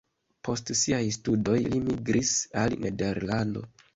Post siaj studoj li migris al Nederlando.